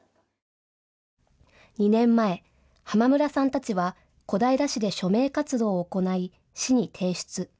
２年前、濱村さんたちは小平市で署名活動を行い市に提出。